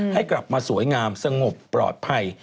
ให้กลับมาสวยงามสงบปลอดภัย